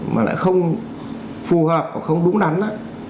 mà lại không phù hợp không đúng đắn